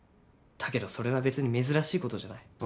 だけどそれは別に珍しいことじゃない。